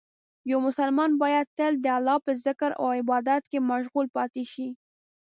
یو مسلمان باید تل د الله په ذکر او عبادت کې مشغول پاتې شي.